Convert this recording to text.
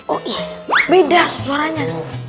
oh iya beda suaranya